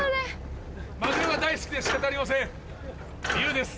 マグロが大好きで仕方ありません。